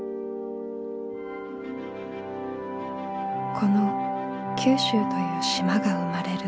この九州という島が生まれる